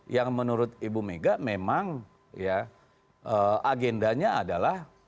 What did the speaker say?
yang menurut ibu mega memang ya agendanya adalah